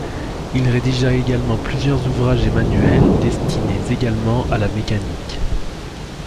Il rédigea également plusieurs ouvrages et manuels destinés également à la mécanique.